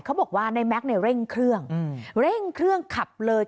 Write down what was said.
เขาบอกว่าในแม็กซ์เนี่ยเร่งเครื่องเร่งเครื่องขับเลย